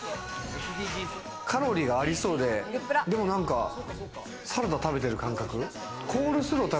カロリーがありそうででもなんかサラダ食べてる感覚。